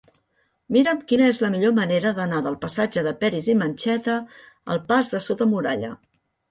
Mira'm quina és la millor manera d'anar del passatge de Peris i Mencheta al pas de Sota Muralla.